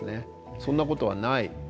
そんなことはない。